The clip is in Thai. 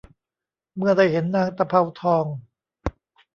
เมื่อได้เห็นนางตะเภาทอง